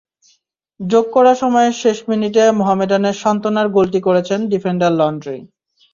যোগ করা সময়ের শেষ মিনিটে মোহামেডানের সান্ত্বনার গোলটি করেছেন ডিফেন্ডার লন্ড্রি।